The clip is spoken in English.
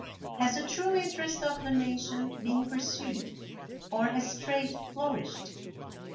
Has the true interest of the nation been pursued, or has trade flourished?